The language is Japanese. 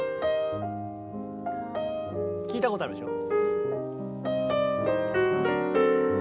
聞いたことあるでしょ。